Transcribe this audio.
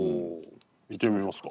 行ってみますか。